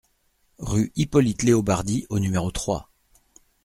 Rue Hippolyte Leobardy au numéro trois